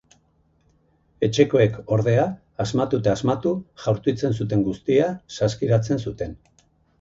Etxekoek, ordea, asmatu eta asmatu, jaurtitzen zuten guztia saskiratzen zuten.